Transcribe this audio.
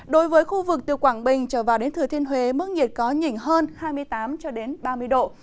đối với khu vực từ quảng bình trở vào đến thừa thiên huế mức nhiệt có nhỉnh hơn hai mươi tám ba mươi độ